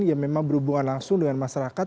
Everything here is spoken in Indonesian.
yang memang berhubungan langsung dengan masyarakat